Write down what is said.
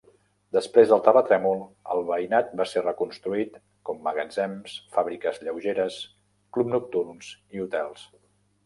Després del terratrèmol, el veïnat va ser reconstruït com magatzems, fàbriques lleugeres, clubs nocturns i hotels.